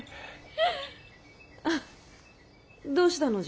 どうしたのじゃ？